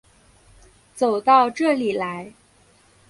走到这里来